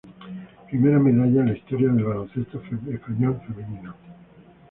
Primera Medalla en la Historia del Baloncesto Español Femenino.